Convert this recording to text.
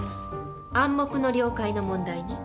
「暗黙の了解」の問題ね。